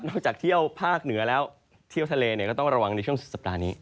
จากเที่ยวภาคเหนือแล้วเที่ยวทะเลเนี่ยก็ต้องระวังในช่วงสุดสัปดาห์นี้